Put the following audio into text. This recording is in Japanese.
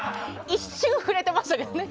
一瞬触れてましたけどね。